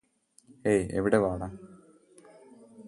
hey ഇവിടെ വാടാ